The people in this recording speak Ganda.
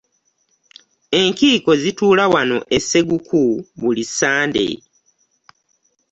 Enkiiko zituula wano e Sseguku buli ssande.